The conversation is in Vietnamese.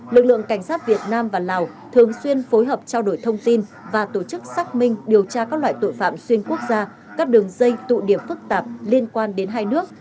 lực lượng cảnh sát việt nam và lào thường xuyên phối hợp trao đổi thông tin và tổ chức xác minh điều tra các loại tội phạm xuyên quốc gia các đường dây tụ điểm phức tạp liên quan đến hai nước